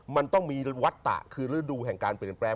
มันต้องมีวัตตะคือฤดูแห่งการเปลี่ยนแปลง